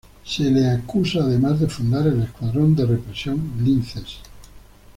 Se le acusa además de fundar el escuadrón de represión "Linces".